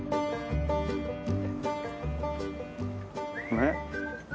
ねっ。